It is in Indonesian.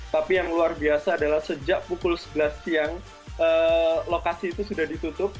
tapi yang luar biasa adalah sejak pukul sebelas siang lokasi itu sudah ditutup